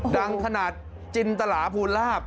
ดังขนาดจินตลาภูลาภ